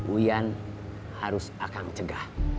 uyan harus akam cegah